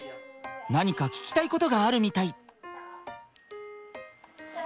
何か聞きたいことがあるみたい。